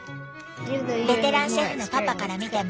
ベテランシェフのパパから見ても？